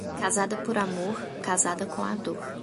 Casada por amor, casada com a dor.